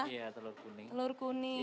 iya telur kuning